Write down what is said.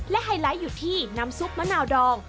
และไฮไลท์อยู่ที่น้ำซุปมะนาวดอง